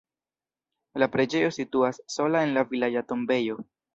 La preĝejo situas sola en la vilaĝa tombejo.